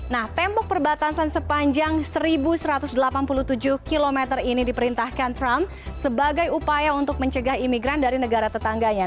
nah tembok perbatasan sepanjang seribu satu ratus delapan puluh tujuh km ini diperintahkan trump sebagai upaya untuk mencegah imigran dari negara tetangganya